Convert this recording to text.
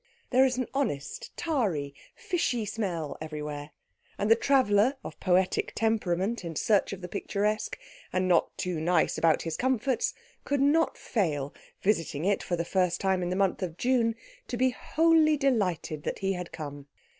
There is an honest, tarry, fishy smell everywhere; and the traveller of poetic temperament in search of the picturesque, and not too nice about his comforts, could not fail, visiting it for the first time in the month of June, to be wholly delighted that he had come.